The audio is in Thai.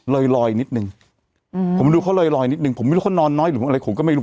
ลอยลอยนิดนึงผมดูเขาลอยนิดนึงผมไม่รู้เขานอนน้อยหรืออะไรผมก็ไม่รู้